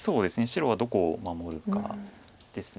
白はどこを守るかです。